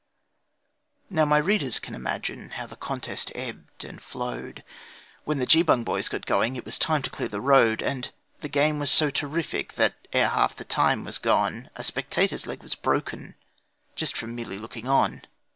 Now my readers can imagine how the contest ebbed and flowed, When the Geebung boys got going it was time to clear the road; And the game was so terrific that ere half the time was gone A spectator's leg was broken just from merely looking on.